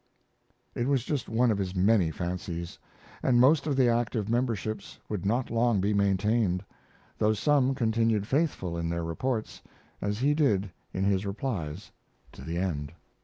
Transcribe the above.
It was just one of his many fancies, and most of the active memberships would not long be maintained; though some continued faithful in their reports, as he did in his replies, to the end.